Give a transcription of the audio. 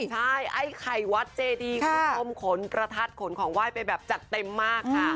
ใช่ไอไข่วัตรเจดีข้มขนประทัดขนของว่ายไปแบบจัดเต็มมากค่ะ